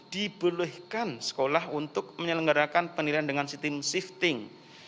dibeluhkan sekolah untuk menyelenggarakan penilaian dengan sitim shifting